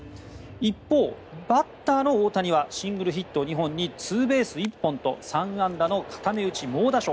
一方、バッターの大谷はシングルヒット２本にツーベース１本と３安打の固め打ち、猛打賞。